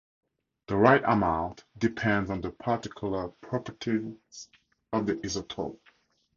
The right amount depends on the particular properties of the isotope.